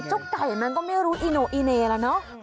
จ๊อกไก่มันก็ไม่รู้อิโนอิเนย์แล้วเนาะ